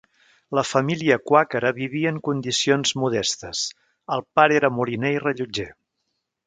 La família quàquera vivia en condicions modestes; el pare era moliner i rellotger.